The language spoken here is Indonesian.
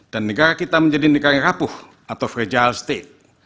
dan negara kita menjadi negara yang rapuh atau fragile state